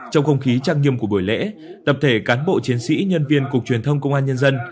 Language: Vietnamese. trong không khí trang nghiêm của buổi lễ tập thể cán bộ chiến sĩ nhân viên cục truyền thông công an nhân dân